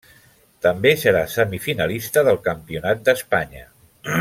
També serà semifinalista del Campionat d'Espanya.